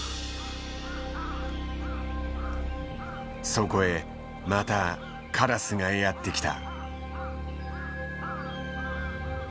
そこへまたカラスがやって来た。